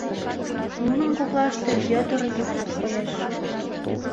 Нунын коклаште Вӧдыр Йыванат коеш.